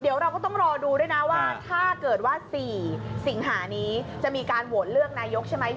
เดี๋ยวเราก็ต้องรอดูด้วยนะว่าถ้าเกิดว่า๔สิงหานี้จะมีการโหวตเลือกนายกใช่ไหม